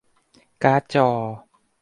การ์ดจอ